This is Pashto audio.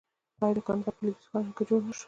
آیا د کاناډا په لویدیځ کې ښارونه جوړ نشول؟